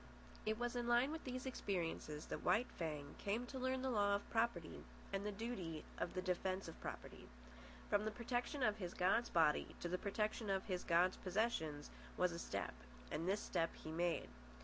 It was in line with these experiences that White Fang came to learn the law of property and the duty of the defence of property. From the protection of his god's body to the protection of his god's possessions was a step, and this step he made.